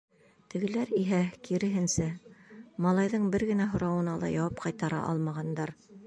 Тегеләр иһә, киреһенсә, малайҙың бер генә һорауына ла яуап ҡайтара алмағандар.